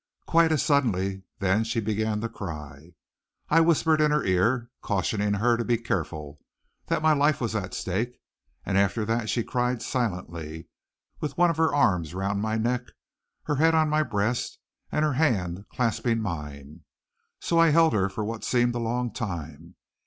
Quite as suddenly, then she began to cry. I whispered in her ear, cautioning her to be careful, that my life was at stake; and after that she cried silently, with one of her arms round my neck, her head on my breast, and her hand clasping mine. So I held her for what seemed a long time.